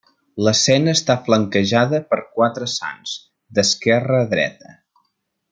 L'escena està flanquejada per quatre sants: d'esquerra a dreta.